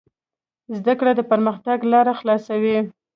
زده کړه د پرمختګ لاره خلاصوي.